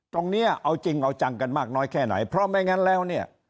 ตรงนี้เอาจริงเอาจังกันมากน้อยแค่ไหนเพราะไม่งั้นแล้วเนี่ย